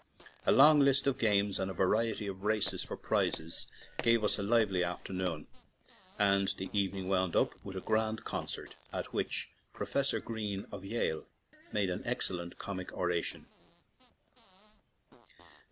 A long list of games and a variety of races for prizes gave us a lively after noon, and the evening wound up with a " grand " concert, at which Professor Green, of Yale, made an excellent comic oration.